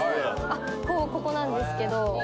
あここなんですけど。